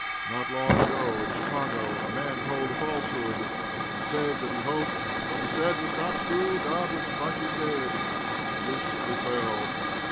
Not long ago, in Chicago, a man told a falsehood, and said that he hoped, if what he said was not true, God would strike him dead. He instantly fell.